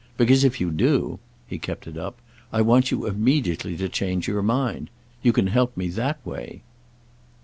Because if you do"—he kept it up—"I want you immediately to change your mind. You can help me that way."